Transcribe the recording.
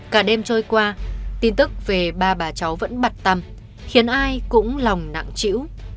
cả đêm trôi qua tin tức về ba bà cháu vẫn bặt tầm khiến ai cũng lòng nặng chịu